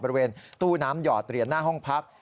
บริเวณตู้น้ำหอดเหรียญหน้าห้องพัก